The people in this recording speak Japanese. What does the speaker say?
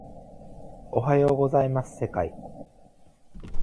おはようございます世界